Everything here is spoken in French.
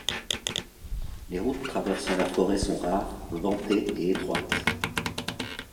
Les routes traversant la forêt sont rares, ventées et étroites.